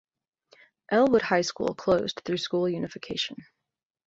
Elwood High School closed through school unification.